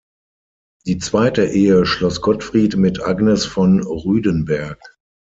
Die zweite Ehe schloss Gottfried mit Agnes von Rüdenberg.